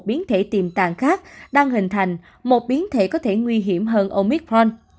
các biến thể tìm tàng khác đang hình thành một biến thể có thể nguy hiểm hơn omicron